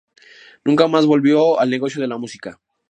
Nunca más volvió al negocio de la música.